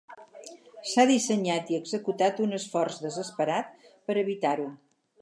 S'ha dissenyat i executat un esforç desesperat per evitar-ho.